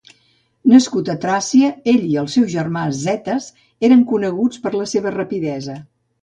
Nascut a Tràcia, ell i el seu germà Zetes eren coneguts per la seva rapidesa.